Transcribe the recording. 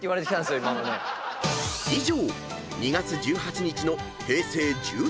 ［以上］